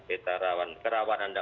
peta rawan kerawan anda